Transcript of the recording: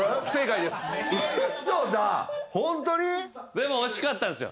でも惜しかったんすよ。